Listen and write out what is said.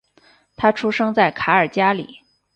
他出生在卡尔加里。